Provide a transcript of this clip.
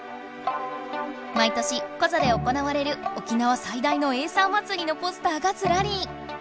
毎年コザで行われる沖縄さい大のエイサーまつりのポスターがずらり。